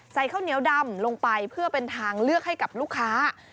ข้าวเหนียวดำลงไปเพื่อเป็นทางเลือกให้กับลูกค้า